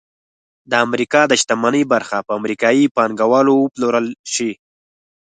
د امریکا د شتمنۍ برخه په امریکايي پانګوالو وپلورل شي